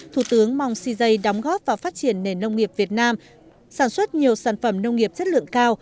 thủ tướng mong cj đóng góp vào phát triển nền nông nghiệp việt nam sản xuất nhiều sản phẩm nông nghiệp chất lượng cao